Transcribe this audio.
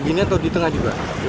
di pinggir gini atau di tengah juga